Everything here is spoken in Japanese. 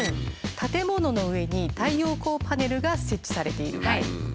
建物の上に太陽光パネルが設置されている場合。